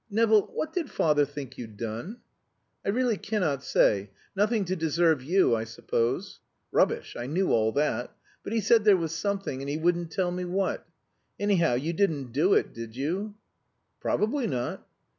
Nevill, what did father think you'd done?" "I really cannot say. Nothing to deserve you, I suppose." "Rubbish! I know all that. But he said there was something, and he wouldn't tell me what. Anyhow, you didn't do it, did you?" "Probably not."